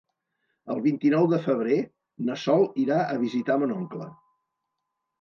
El vint-i-nou de febrer na Sol irà a visitar mon oncle.